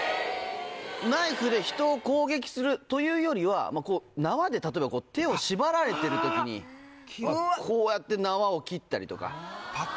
ナイフで人を攻撃するというよりはこう縄で例えば手を縛られてる時にこうやって。